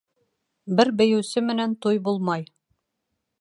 Бер бейеүсе менән туй булмай.